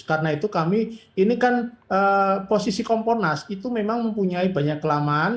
karena itu kami ini kan posisi kompolnas itu memang mempunyai banyak kelamaan